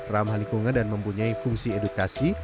ramah lingkungan dan mempunyai fungsi edukasi